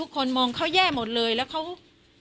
กินโทษส่องแล้วอย่างนี้ก็ได้